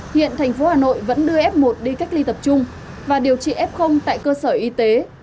hiện thành phố hà nội vẫn đưa f một đi cách ly tập trung và điều trị f tại cơ sở y tế